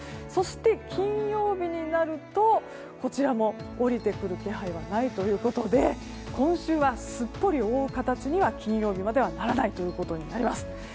そして、金曜日になるとこちらも下りてくる気配はないということで今週はすっぽり覆う形には金曜日まではならないということになります。